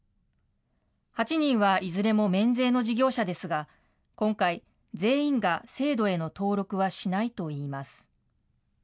８人はいずれも免税の事業者ですが、今回、全員が制度への登録はしないといいます。